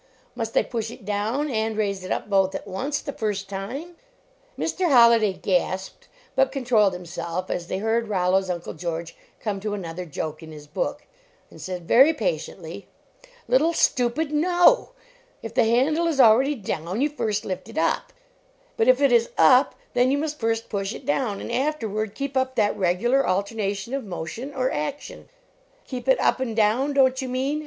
Must I push it down and raise it up both at once, the first time? " Mr. Holliday gasped, but controlled him self as they heard Rollo s Uncle George come to another joke in his book, and said, very patiently : "Little stupid! No! If the handle is 50 LEARNING TO WORK already down, you first lift it up, but if it is up, then you must first push it down, and afterward keep up that regular alternation of motion or action. " Keep it up and down, don t you mean?"